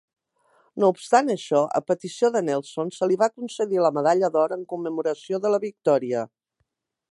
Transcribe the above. No obstant això, a petició de Nelson, se li va concedir la medalla d'or en commemoració de la victòria.